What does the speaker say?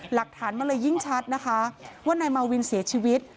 หลักฐานมันเลยยิ่งชัดนะคะว่านายมาวินเสียชีวิต